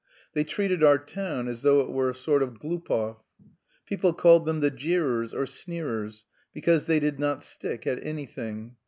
They treated our town as though it were a sort of Glupov. People called them the jeerers or sneerers, because they did not stick at anything.